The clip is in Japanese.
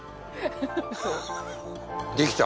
できた！